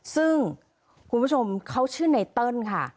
ซึ่งคุณผู้ชมเขาชื่อไนเติ้ลค่ะ